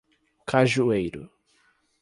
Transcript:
Cajueiro